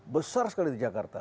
besar sekali di jakarta